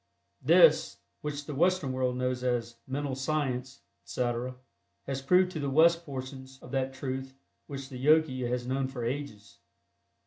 This, which the Western world knows as "Mental Science," etc., has proved to the West portions of that truth which the Yogi has known for ages.